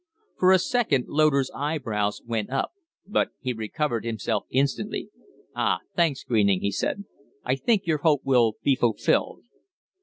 For a second Loder's eyebrows went up, but he recovered himself instantly. "Ah, thanks, Greening," he said. "Thanks. I think your hope will be fulfilled."